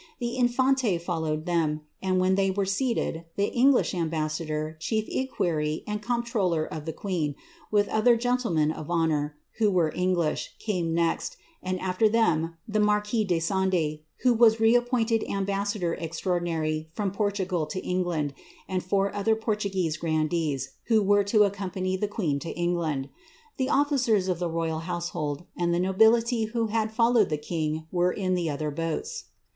The infante followed t when they were seated, the English ambassador, chief eqa< comptroller of the queen, with other gentlemen of honour, i English, came next, and afler them the marquis de Sande, wh< appointed ambassador extraordinary from Portugal to England, other Portuguese grandees, who were to accompany the quee] land. The officera of the royal household, and the nobUity followed the king, were in other boats.'